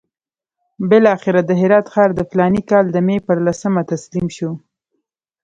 بالاخره د هرات ښار د فلاني کال د مې پر لسمه تسلیم شو.